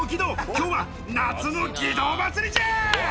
今日は夏の義堂祭りじゃ！